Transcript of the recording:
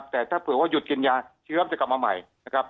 แต่ถ้าเผื่อว่าหยุดกินยาเชื้อจะกลับมาใหม่นะครับ